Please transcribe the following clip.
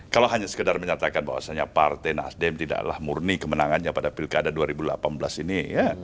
kalau hanya sekedar menyatakan bahwasannya partai nasdem tidaklah murni kemenangannya pada pilkada dua ribu delapan belas ini ya